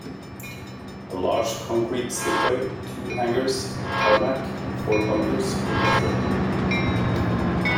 A large concrete slipway, two hangars, a tarmac and four bunkers were constructed.